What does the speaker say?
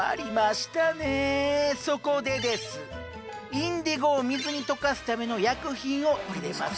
インディゴを水に溶かすための薬品を入れます。